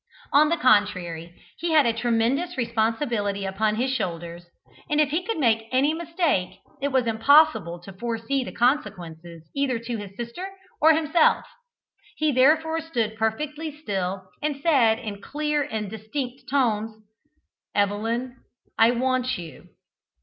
On the contrary, he had a tremendous responsibility upon his shoulders, and if he should make any mistake it was impossible to foresee the consequences either to his sister or himself. He therefore stood perfectly still and said in clear and distinct tones, "Evelyn, I want you."